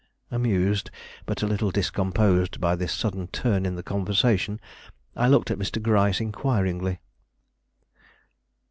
Amused, but a little discomposed by this sudden turn in the conversation, I looked at Mr. Gryce inquiringly.